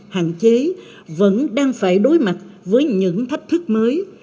hạn chế vẫn đang phải đối mặt với những thách thức mới